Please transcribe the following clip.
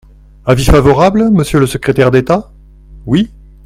Avis favorable, monsieur le secrétaire d’État ? Oui.